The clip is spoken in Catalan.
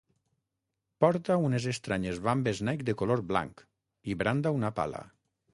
Porta unes estranyes vambes Nike de color blanc i branda una pala.